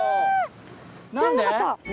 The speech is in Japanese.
何で？